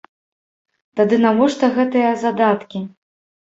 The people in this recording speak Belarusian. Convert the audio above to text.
Тады навошта гэтыя задаткі?